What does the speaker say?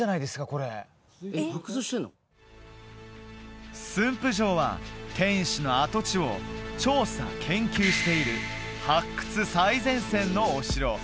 これ駿府城は天守の跡地を調査研究している発掘最前線のお城